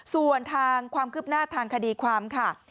ส่วนทางความคืบหน้าทางคดีความค่ะ